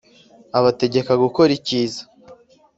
abategeka gukora ikiza.